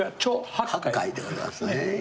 八戒でございますね。